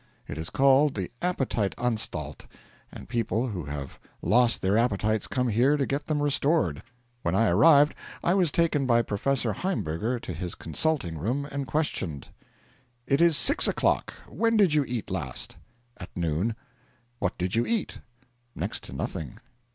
It is called the Appetite Anstallt, and people who have lost their appetites come here to get them restored. When I arrived I was taken by Professor Haimberger to his consulting room and questioned: 'It is six o'clock. When did you eat last?' 'At noon.' 'What did you eat?' 'Next to nothing.'